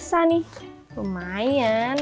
kasih uang liburan kemaren nyisa nih